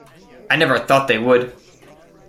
I never thought they would.